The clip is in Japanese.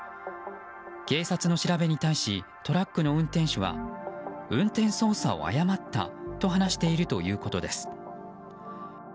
警察の調べに対しトラックの運転手は運転操作を誤ったと話しているということです。